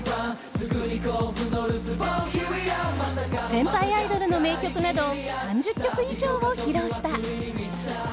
先輩アイドルの名曲など３０曲以上を披露した。